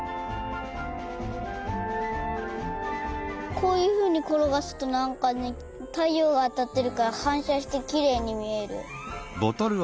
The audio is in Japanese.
こういうふうにころがすとなんかねたいようがあたってるからはんしゃしてきれいにみえる。